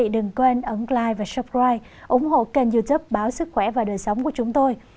đừng quên ấn like và subscribe ủng hộ kênh youtube báo sức khỏe và đời sống của chúng tôi